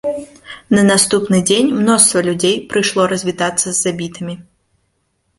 На наступны дзень мноства людзей прыйшло развітацца з забітымі.